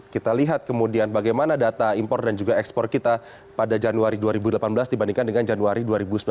kita lihat kemudian bagaimana data impor dan juga ekspor kita pada januari dua ribu delapan belas dibandingkan dengan januari dua ribu sembilan belas